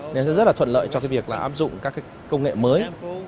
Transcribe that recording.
nên sẽ rất là thuận lợi cho việc áp dụng các công nghệ mới